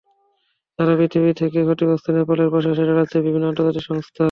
সারা পৃথিবী থেকেই ক্ষতিগ্রস্ত নেপালের পাশে এসে দাঁড়াচ্ছে বিভিন্ন আন্তর্জাতিক সংস্থা।